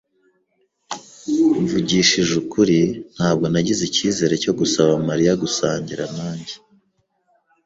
[S] [Mvugishije ukuri, ntabwo nagize ikizere cyo gusaba Mariya gusangira nanjye.